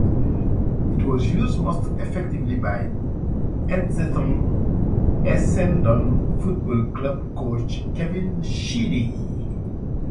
It was used most effectively by Essendon Football Club coach Kevin Sheedy.